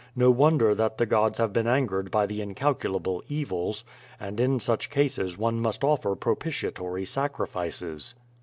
No wonder that the gods have been angered by the incalculable evils; and in such cases one must offer propitiatory sacrifices.